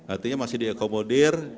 artinya masih dikomodir